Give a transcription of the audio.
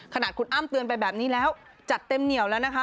ขนาดคุณอ้ำเตือนไปแบบนี้แล้วจัดเต็มเหนียวแล้วนะคะ